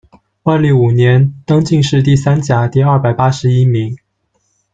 万历五年，登进士第三甲第二百一十八名。